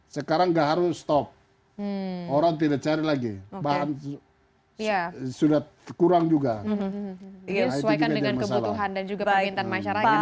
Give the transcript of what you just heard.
sekarang gak harus top orang tidak cari lagi bahan sudah kurang juga kebutuhan dan juga